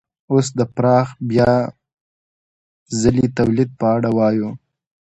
اوس د پراخ بیا ځلي تولید په اړه وایو